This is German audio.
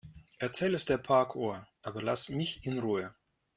Erzähl es der Parkuhr, aber lass mich in Ruhe.